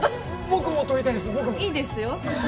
僕もいいですよ